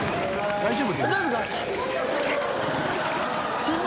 大丈夫？